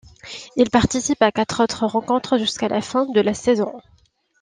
Il participe à quatre autres rencontres jusqu'à la fin de la saison.